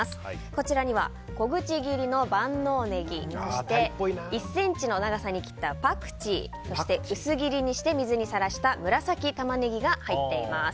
こちらには小口切りの万能ネギそして１ｃｍの長さに切ったパクチーそして、薄切りにして水にさらした紫タマネギが入っています。